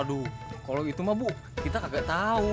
waduh kalau itu mah bu kita kagak tahu